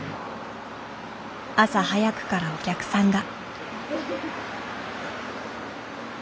朝早くからお客さんが。